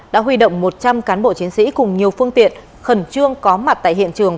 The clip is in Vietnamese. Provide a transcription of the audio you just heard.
đã huy động một trăm linh cán bộ chiến sĩ cùng nhiều phương tiện khẩn trương có mặt tại hiện trường